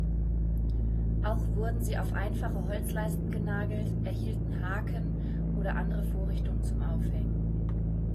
Auch wurden sie auf einfache Holzleisten genagelt, erhielten Haken oder andere Vorrichtungen zum Aufhängen.